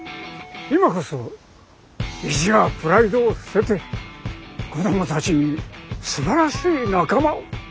今こそ意地やプライドを捨てて子どもたちにすばらしい仲間を。